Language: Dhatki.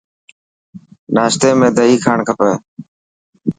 ناشتي ۾ دئي کائڻ کپي.